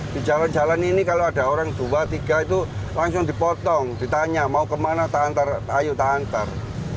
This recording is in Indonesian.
di jalan jalan ini kalau ada orang dua tiga itu langsung dipotong ditanya mau kemana tak ayo tahan ntar